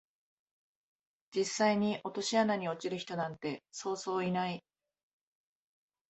実際に落とし穴に落ちる人なんてそうそういない